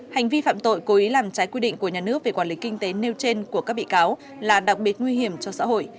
hành vi phạm tội cố ý làm trái quy định của nhà nước về quản lý kinh tế nêu trên của các bị cáo là đặc biệt nguy hiểm cho xã hội